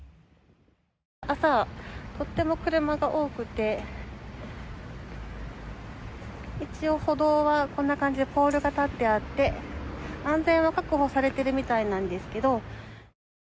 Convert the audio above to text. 朝、とっても車が多くて一応、歩道はこんな感じでポールが立ってあって安全は確保されるみたいなんですけど。